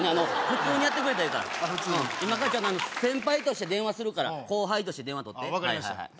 普通にやってくれたらええから普通に今から先輩として電話するから後輩として電話取って分かりました